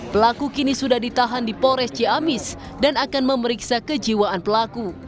pelaku kini sudah ditahan di pores ciamis dan akan memeriksa kejiwaan pelaku